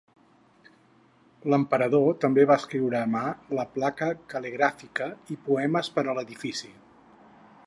L'emperador també va escriure a mà la placa cal·ligràfica i poemes per a l'edifici.